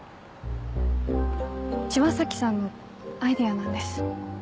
千和崎さんのアイデアなんです。